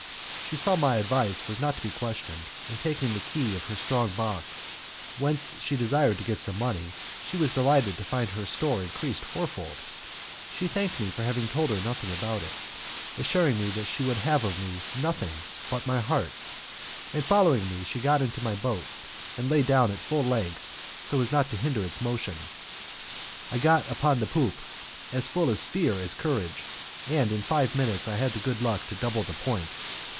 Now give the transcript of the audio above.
She saw my advice was not to be questioned, and taking the key of her strong box, whence she desired to get some money, she was delighted to find her store increased fourfold. She thanked me for having told her nothing about it, assuring me she would have of me nothing but my heart, and following me she got into my boat and lay down at full length so as not to hinder its motion, I got upon the poop, as full of fear as courage, and in five minutes I had the good luck to double the point.